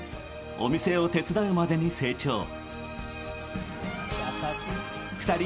お店を手伝うまでに成長。